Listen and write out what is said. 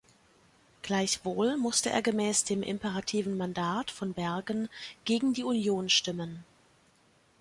Gleichwohl musste er gemäß dem imperativen Mandat von Bergen gegen die Union stimmen.